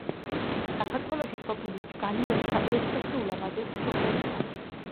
საქართველოში სოფელი ჯგალი ერთერთი ულამაზესი სოფელია.